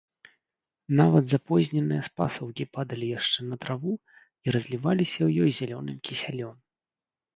Нават запозненыя спасаўкі падалі яшчэ на траву і разліваліся ў ёй зялёным кісялём.